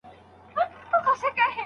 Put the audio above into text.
اورونه دې دستي، ستا په لمن کې جانانه